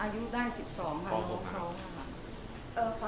อายุได้๑๒ครับน้องเขา